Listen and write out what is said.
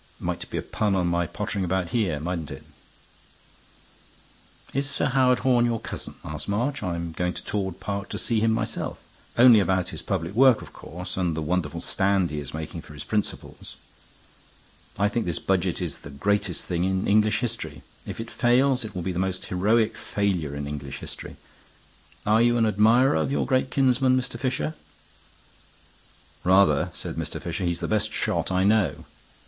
Might be a pun on my pottering about here, mightn't it?" "Is Sir Howard Horne your cousin?" asked March. "I'm going to Torwood Park to see him myself; only about his public work, of course, and the wonderful stand he is making for his principles. I think this Budget is the greatest thing in English history. If it fails, it will be the most heroic failure in English history. Are you an admirer of your great kinsman, Mr. Fisher?" "Rather," said Mr. Fisher. "He's the best shot I know."